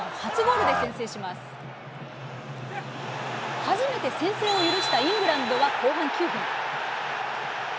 初めて先制を許したイングランドは後半９分。